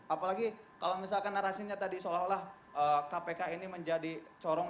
apalagi kalau misalkan narasinya tadi seolah olah kpk ini menjadi corong